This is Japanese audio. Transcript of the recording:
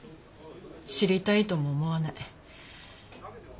知りたいとも思わない。